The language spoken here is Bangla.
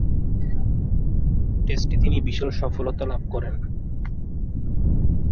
টেস্টে তিনি বিশাল সফলতা লাভ করেন।